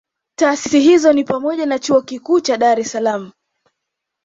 Taasisi hizo ni pamoja na Chuo Kikuu cha Dar es salaam